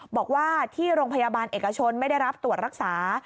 บอกว่าที่โรงพยาบาลเอกชนไม่ได้รับตรวจรักษา